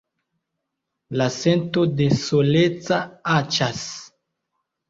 La sento de soleca aĉas.